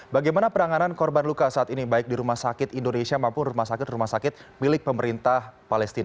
bagaimana penanganan korban luka saat ini baik di rumah sakit indonesia maupun rumah sakit rumah sakit milik pemerintah palestina